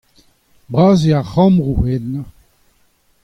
Bras eo ar c'hambroù ennañ.